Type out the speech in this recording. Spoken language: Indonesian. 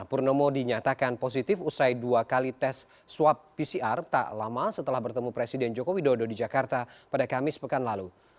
purnomo dinyatakan positif usai dua kali tes swab pcr tak lama setelah bertemu presiden joko widodo di jakarta pada kamis pekan lalu